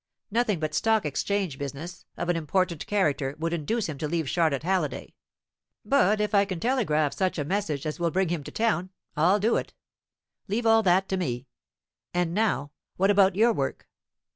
Nothing but stock exchange business, of an important character, would induce him to leave Charlotte Halliday. But if I can telegraph such a message as will bring him to town, I'll do it. Leave all that to me. And now, what about your work?"